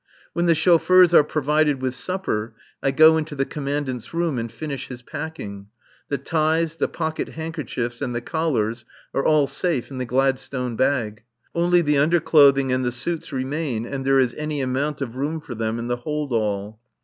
When the chauffeurs are provided with supper I go into the Commandant's room and finish his packing. The ties, the pocket handkerchiefs and the collars are all safe in the Gladstone bag. Only the underclothing and the suits remain and there is any amount of room for them in the hold all.